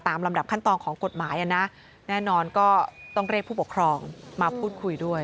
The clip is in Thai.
ลำดับขั้นตอนของกฎหมายอ่ะนะแน่นอนก็ต้องเรียกผู้ปกครองมาพูดคุยด้วย